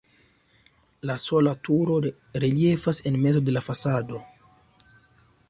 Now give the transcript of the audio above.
La sola turo reliefas en mezo de la fasado.